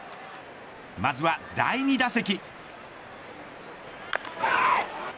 まずは第２打席。